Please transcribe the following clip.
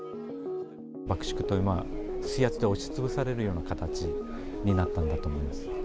爆縮という、水圧で押しつぶされるような形になったんだと思います。